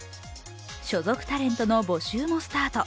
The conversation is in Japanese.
所属タレントの募集もスタート。